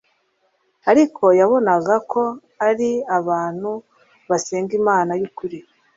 ariko yabonaga ko ari abantu basenga Imana y'ukuri.